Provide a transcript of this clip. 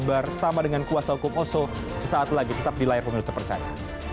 bersama dengan kuasa hukum oso sesaat lagi tetap di layar pemilu terpercaya